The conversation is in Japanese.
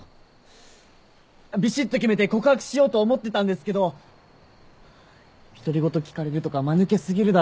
びしっと決めて告白しようと思ってたんですけど独り言聞かれるとかまぬけ過ぎるだろ俺。